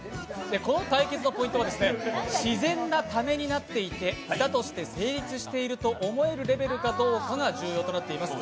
この対決のポイントは、自然なタメになっていて、歌として成立していると思うレベルかどうかが重要となっています。